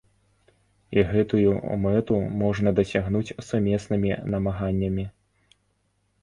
І гэтую мэту можна дасягнуць сумеснымі намаганнямі.